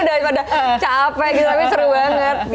daripada capek gitu tapi seru banget